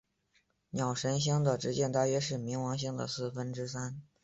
鸟神星的直径大约是冥王星的四分之三。